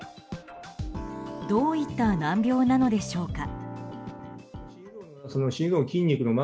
どういった難病なのでしょうか。